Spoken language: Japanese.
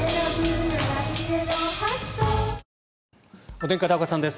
お天気、片岡さんです。